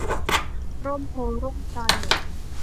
ร่มโพธิ์ร่มไทร